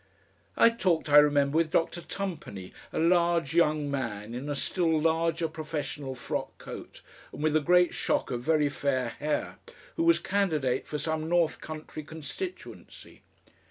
I talked, I remember, with Dr. Tumpany, a large young man in a still larger professional frock coat, and with a great shock of very fair hair, who was candidate for some North Country constituency.